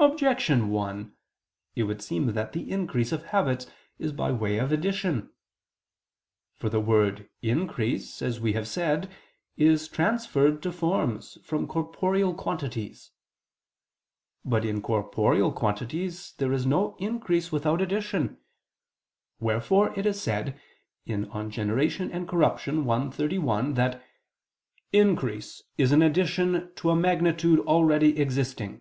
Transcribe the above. Objection 1: It would seem that the increase of habits is by way of addition. For the word "increase," as we have said, is transferred to forms, from corporeal quantities. But in corporeal quantities there is no increase without addition: wherefore (De Gener. i, text. 31) it is said that "increase is an addition to a magnitude already existing."